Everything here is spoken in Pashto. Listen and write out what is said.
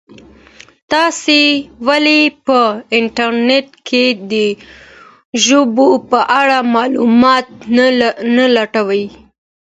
تاسي ولي په انټرنیټ کي د ژبو په اړه معلومات نه لټوئ؟